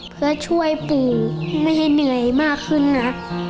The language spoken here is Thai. เพื่อช่วยปู่ไม่ให้เหนื่อยมากขึ้นนะ